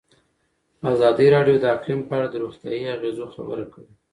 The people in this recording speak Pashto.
ازادي راډیو د اقلیم په اړه د روغتیایي اغېزو خبره کړې.